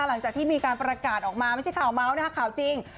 หลังจากที่มีการประกาศออกมาไม่ใช่ข่าวเมาส์นะคะข่าวจริง